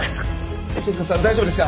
大丈夫ですか！？